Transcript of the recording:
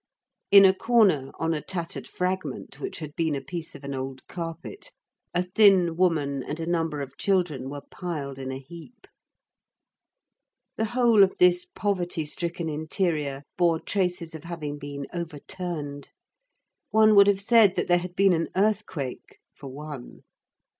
In a corner, on a tattered fragment which had been a piece of an old carpet, a thin woman and a number of children were piled in a heap. The whole of this poverty stricken interior bore traces of having been overturned. One would have said that there had been an earthquake "for one."